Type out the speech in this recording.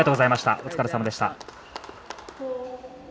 お疲れさまでした。